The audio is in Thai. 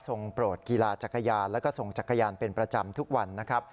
โปรดกีฬาจักรยานแล้วก็ส่งจักรยานเป็นประจำทุกวันนะครับ